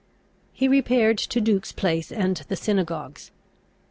He repaired to Duke's Place and the synagogues.